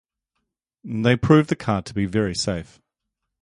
They proved the car to be very safe.